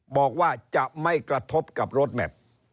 บอกว่าจะไม่กระทบกับรถแมพ